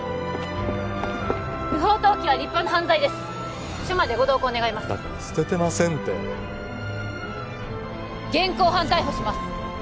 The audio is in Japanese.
不法投棄は立派な犯罪です署までご同行願いますだから捨ててませんって現行犯逮捕します